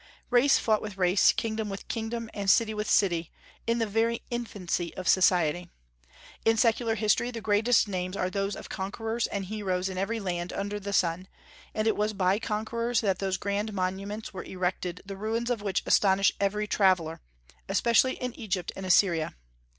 Race fought with race, kingdom with kingdom, and city with city, in the very infancy of society. In secular history the greatest names are those of conquerors and heroes in every land under the sun; and it was by conquerors that those grand monuments were erected the ruins of which astonish every traveller, especially in Egypt and Assyria.